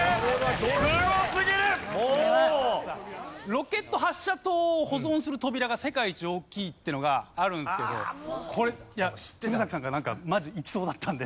ロケット発射棟を保存する扉が世界一大きいっていうのがあるんですけどこれ鶴崎さんがなんかマジいきそうだったんで。